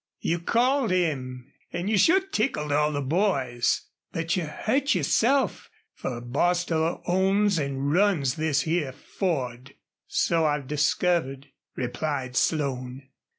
You called him, an' you sure tickled all the boys. But you hurt yourself, fer Bostil owns an' runs this here Ford." "So I've discovered," replied Slone.